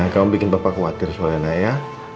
kamu bikin bapak khawatir soalnya gak ya